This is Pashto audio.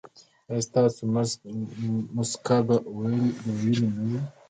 ایا ستاسو مسکه به ویلې نه وي؟